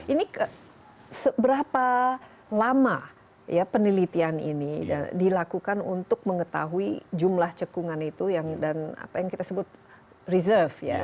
ini seberapa lama ya penelitian ini dilakukan untuk mengetahui jumlah cekungan itu dan apa yang kita sebut reserve ya